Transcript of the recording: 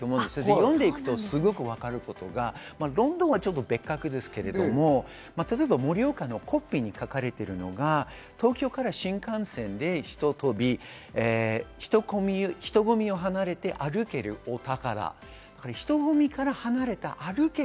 読んで行くとすごくわかることがロンドンは別格ですけれども、盛岡のコピーに書かれているのが、「東京から新幹線でひとっ飛び、人混みを離れて歩けるお宝」。